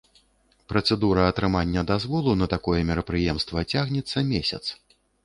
Працэдура атрымання дазволу на такое мерапрыемства цягнецца месяц.